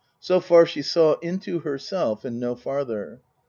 So far she saw into herself and no farther.